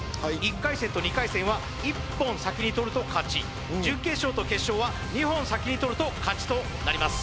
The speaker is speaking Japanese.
１回戦と２回戦は１本先に取ると勝ち準決勝と決勝は２本先に取ると勝ちとなります